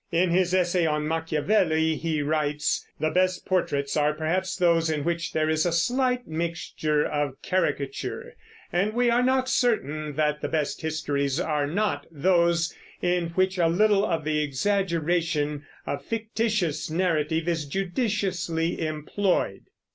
In his essay on Machiavelli he writes: "The best portraits are perhaps those in which there is a slight mixture of caricature, and we are not certain that the best histories are not those in which a little of the exaggeration of fictitious narrative is judiciously employed.